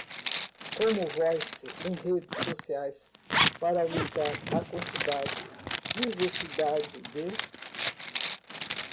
Precisamos divulgar o commonvoice em redes sociais para aumentar a quantidade, diversidade de vozes